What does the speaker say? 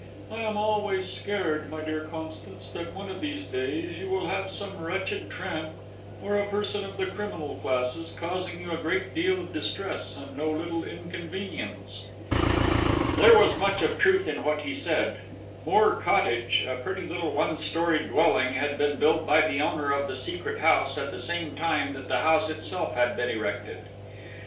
I am always scared, my dear Constance, that one of these days you will have some wretched tramp, or a person of the criminal classes, causing you a great deal of distress and no little inconvenience." There was much of truth in what he said. Moor Cottage, a pretty little one storied dwelling, had been built by the owner of the Secret House at the same time that the house itself had been erected.